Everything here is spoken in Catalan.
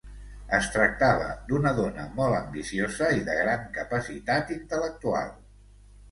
Es tractava d'una dona molt ambiciosa i de gran capacitat intel·lectual.